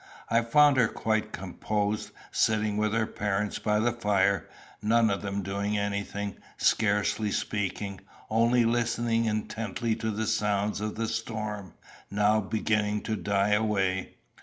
I found her quite composed, sitting with her parents by the fire, none of them doing anything, scarcely speaking, only listening intently to the sounds of the storm now beginning to die away.